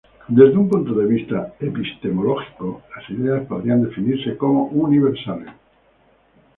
Desde un punto de vista epistemológico, las ideas podrían definirse como universales.